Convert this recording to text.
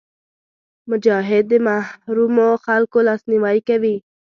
مجاهد د محرومو خلکو لاسنیوی کوي.